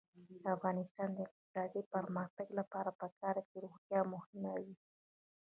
د افغانستان د اقتصادي پرمختګ لپاره پکار ده چې روغتیا مهمه وي.